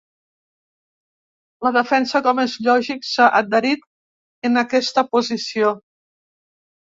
La defensa, com és lògic, s’ha adherit en aquesta posició.